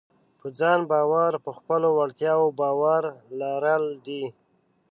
په ځان باور په خپلو وړتیاوو باور لرل دي.